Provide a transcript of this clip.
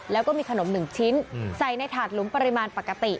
แล้วก็มีขนม๑ชิ้นใส่ในถาดหลุมปริมาณปกติ